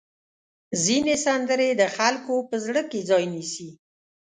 ځینې سندرې د خلکو په زړه کې ځای نیسي.